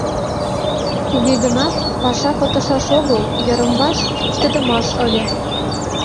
Туге гынат паша пытышаш огыл, йырым-ваш ситыдымаш ыле.